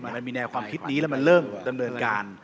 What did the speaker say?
มันมีแนวความคิดนี้แล้วมันเริ่มดำเนินการ